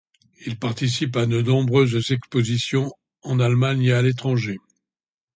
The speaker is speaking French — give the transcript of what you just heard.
Il participe à de nombreuses expositions en Allemagne et à l'étranger.